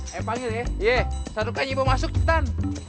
ayo panggil ya sarukannya mau masuk ciptan